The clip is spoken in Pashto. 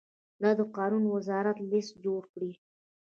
د اوقافو وزارت لست جوړ کړي.